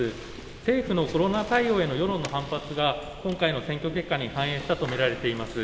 政府のコロナ対応への世論の反発が、今回の選挙結果に反映されたと見られています。